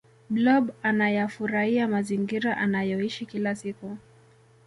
blob anayafuraia mazingira anayoishi kila siku